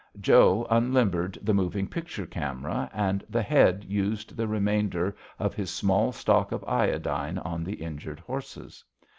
Joe unlimbered the moving picture camera, and the Head used the remainder of his small stock of iodine on the injured horses.